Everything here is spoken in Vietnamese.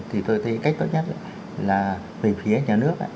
thì tôi thấy cách tốt nhất là về phía nhà nước